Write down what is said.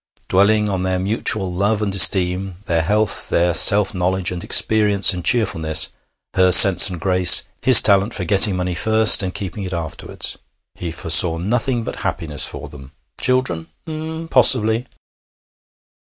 Dwelling on their mutual love and esteem, their health, their self knowledge and experience and cheerfulness, her sense and grace, his talent for getting money first and keeping it afterwards, he foresaw nothing but happiness for them. Children? H'm! Possibly....